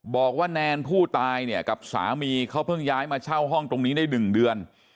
แนนผู้ตายเนี่ยกับสามีเขาเพิ่งย้ายมาเช่าห้องตรงนี้ได้๑เดือน